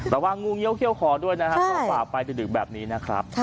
แต่ว่างูเงี๊ยวเขี้ยวขอด้วยนะฮะเพล่าสร้างไปดึกแบบนี้นะครับใช่